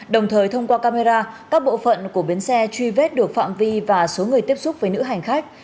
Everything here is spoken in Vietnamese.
đồng thời thông qua camera các bộ phận của bến xe truy vết được phạm vi và số người tiếp xúc với nữ hành khách